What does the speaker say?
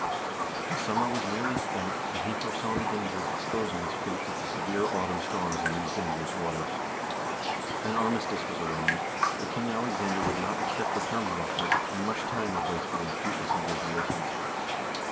The summer was nearly spent, and he foresaw the danger of exposing his fleet to the severe autumn storms in these dangerous waters. An armistice was arranged, but King Alexander would not accept the terms offered, and much time was wasted in fruitless negotiations.